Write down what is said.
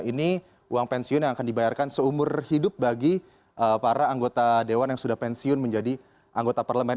ini uang pensiun yang akan dibayarkan seumur hidup bagi para anggota dewan yang sudah pensiun menjadi anggota parlemen